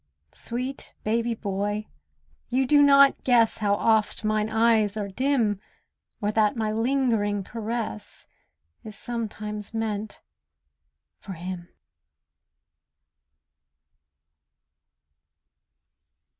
Sweet baby boy, you do not guess How oft mine eyes are dim, Or that my lingering caress Is sometimes meant for him.